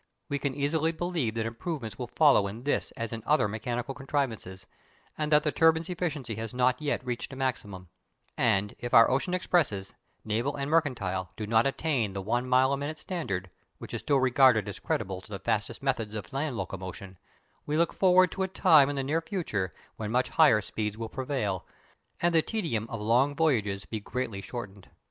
We can easily believe that improvements will follow in this as in other mechanical contrivances, and that the turbine's efficiency has not yet reached a maximum; and even if our ocean expresses, naval and mercantile, do not attain the one mile a minute standard, which is still regarded as creditable to the fastest methods of land locomotion, we look forward to a time in the near future when much higher speeds will prevail, and the tedium of long voyages be greatly shortened.